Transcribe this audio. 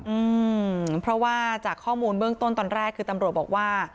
อืมเพราะว่าจากข้อมูลเบื้องต้นตอนแรกคือตำรวจบอกว่า